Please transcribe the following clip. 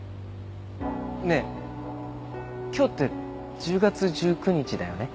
ねえ今日って１０月１９日だよね？